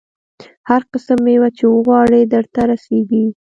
هر قسم مېوه چې وغواړې درته رسېږي.